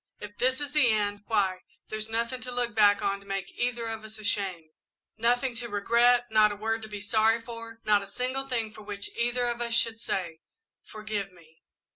"If this is the end, why, there's nothing to look back on to make either of us ashamed, nothing to regret, not a word to be sorry for, not a single thing for which either of us should say 'Forgive me.'